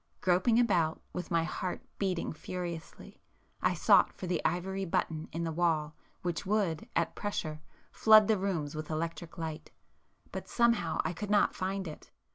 Groping about, with my heart beating furiously, I sought for the ivory button in the wall which would, at pressure, flood the rooms with electric light, but somehow I could not find it.